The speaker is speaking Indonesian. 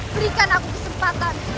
berikan aku kesempatan